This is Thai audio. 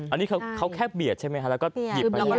อันนี้เขาแค่เบียดใช่ไหมฮะแล้วก็หยิบไปด้วย